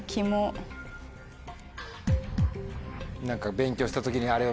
勉強した時にあれを。